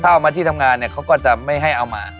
ถ้าเอามาที่ทำงานเนี่ยเขาก็จะไม่ให้เอามา